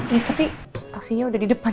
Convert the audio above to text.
iya tapi taksinya udah di depan